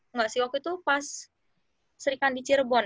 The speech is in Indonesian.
enggak sih waktu itu pas serikandi cirebon